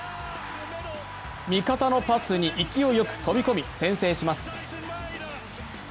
味方のパスに勢いよく飛び込み、先制します。